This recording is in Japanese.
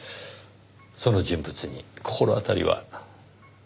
その人物に心当たりは？